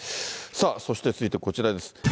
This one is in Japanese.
そして、続いてこちらです。